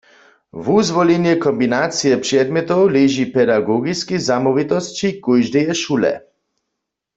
Wuzwolenje kombinacije předmjetow leži w pedagogiskej zamołwitosći kóždeje šule.